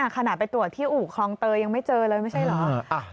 ขนาดไปตรวจที่อู่คลองเตยยังไม่เจอเลยไม่ใช่เหรอ